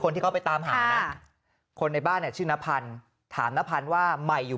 ที่เขาไปตามหานะคนในบ้านชื่อนพันธ์ถามนพันธ์ว่าใหม่อยู่